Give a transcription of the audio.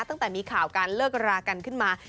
ตั้งแต่มีข่าวการเลิกรากันขึ้นมา